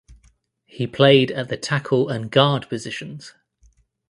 He played at the tackle and guard positions.